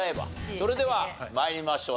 それでは参りましょう。